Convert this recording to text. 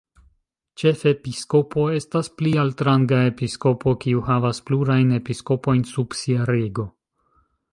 Ĉefepiskopo estas pli altranga episkopo, kiu havas plurajn episkopojn sub sia rego.